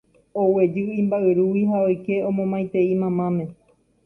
Oguejy imba'yrúgui ha oike omomaitei mamáme.